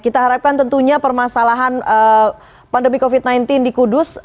kita harapkan tentunya permasalahan pandemi covid sembilan belas di kudus